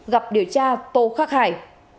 gặp điều tra tô khắc hải